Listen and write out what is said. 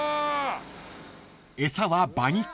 ［餌は馬肉］